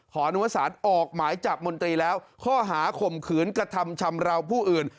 อนุวสารออกหมายจับมนตรีแล้วข้อหาข่มขืนกระทำชำราวผู้อื่น